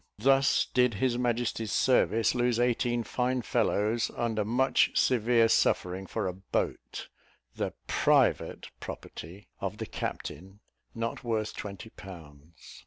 Thus did his Majesty's service lose eighteen fine fellows, under much severe suffering, for a boat, "the private property" of the captain, not worth twenty pounds.